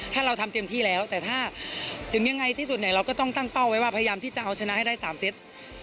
ถ้าเราทำเต็มที่แล้วแต่ถ้าถึงยังไงที่สุดเนี่ยเราก็ต้องตั้งเป้าไว้ว่าพยายามที่จะเอาชนะให้ได้๓เซต